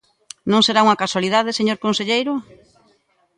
¿Non será unha casualidade, señor conselleiro?